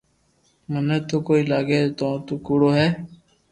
مني تو ڪوئي لاگي تو تو ڪوڙو ھي